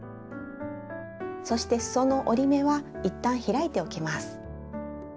そしてすその折り目は一旦開いておきます。